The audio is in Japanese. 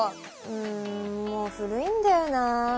んもう古いんだよな。